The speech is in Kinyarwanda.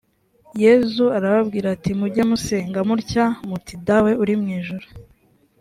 yezu arababwira ati muge musenga mutya muti dawe uri mu ijuru